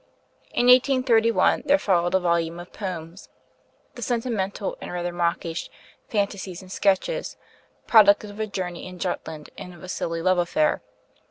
In 1831 there followed a volume of poems, the sentimental and rather mawkish 'Fantasies and Sketches,' product of a journey in Jutland and of a silly love affair.